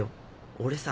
俺さ